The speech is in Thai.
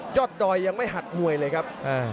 ดอยยังไม่หัดมวยเลยครับ